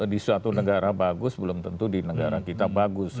di suatu negara bagus belum tentu di negara kita bagus